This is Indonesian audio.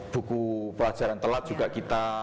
buku pelajaran telat juga kita